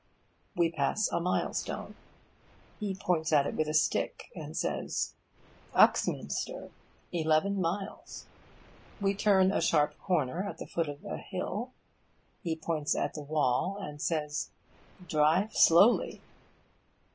We pass a milestone. He points at it with his stick, and says 'Uxminster. 11 Miles.' We turn a sharp corner at the foot of a hill. He points at the wall, and says 'Drive Slowly.